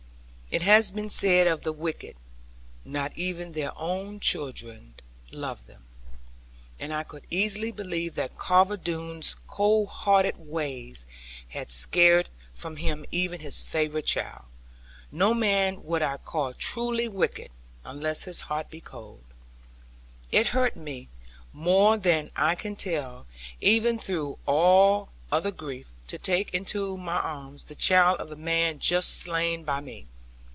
It has been said of the wicked, 'not even their own children love them.' And I could easily believe that Carver Doone's cold hearted ways had scared from him even his favorite child. No man would I call truly wicked, unless his heart be cold. It hurt me, more than I can tell, even through all other grief, to take into my arms the child of the man just slain by me.